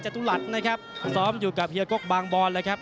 จะเป็นอย่างไรนะครับ